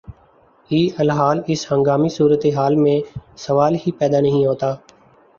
ی الحال اس ہنگامی صورتحال میں سوال ہی پیدا نہیں ہوتا